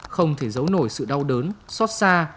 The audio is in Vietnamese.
không thể giấu nổi sự đau đớn xót xa